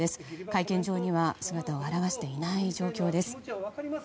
会見場には姿を現していない状況です。